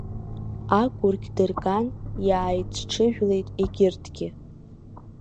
Агәырқь дырган, иааицҽыжәлеит егьырҭгьы.